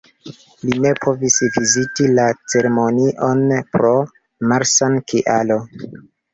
Li ne povis viziti la ceremonion pro malsan-kialo.